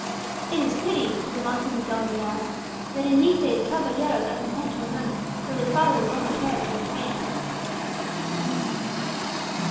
'It is pity,' said the mocking Don Riaz, 'that in these days caballeros are content to win money, though their fathers only cared to win fame.'